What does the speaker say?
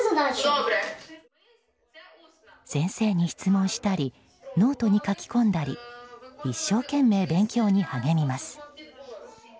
先生に質問したりノートに書き込んだり一生懸命、勉強に励みます。